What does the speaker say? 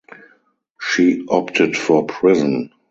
She opted for prison.